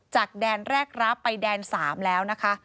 จากแดนแรกรับไปแดน๓แล้วนะคะ